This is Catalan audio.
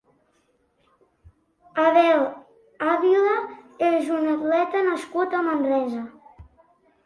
Abel Ávila és un atleta nascut a Manresa.